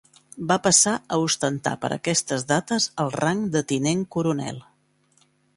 Va passar a ostentar per aquestes dates el rang de tinent coronel.